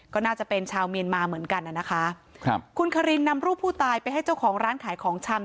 ก็น่าจะเป็นชาวเมียนมาเหมือนกันน่ะนะคะครับคุณคารินนำรูปผู้ตายไปให้เจ้าของร้านขายของชำ